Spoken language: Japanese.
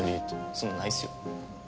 そんなんないっすよ。